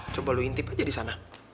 coba lo intip aja di sana